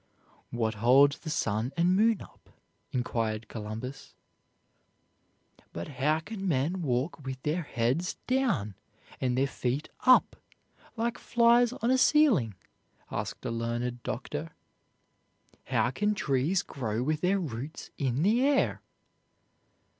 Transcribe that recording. "What holds the sun and moon up?" inquired Columbus. "But how can men walk with their heads hanging down, and their feet up, like flies on a ceiling?" asked a learned doctor; "how can trees grow with their roots in the air?"